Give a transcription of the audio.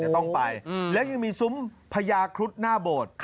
ต้องไปแล้วยังมีซุ้มพญาครุฑหน้าโบสถ์